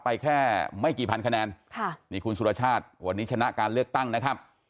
แค่ไม่กี่พันคะแนนค่ะนี่คุณสุรชาติวันนี้ชนะการเลือกตั้งนะครับ